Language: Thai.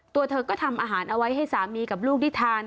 ตัวเธอก็ทำอาหารเอาไว้ให้สามีกับลูกได้ทาน